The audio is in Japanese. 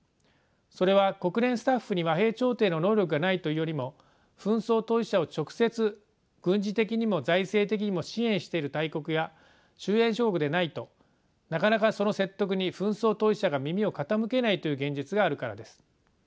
それは国連スタッフに和平調停の能力がないというよりも紛争当事者を直接軍事的にも財政的にも支援している大国や周辺諸国でないとなかなかその説得に紛争当事者が耳を傾けないという現実があるからです。